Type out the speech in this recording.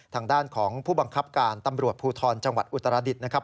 ทางด้านของผู้บังคับการตำรวจภูทนจังหวัดอุตรศิษฎภ์